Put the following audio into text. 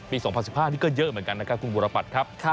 ๒๐๑๕นี่ก็เยอะเหมือนกันนะครับคุณบุรปัตรครับ